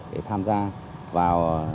để tham gia vào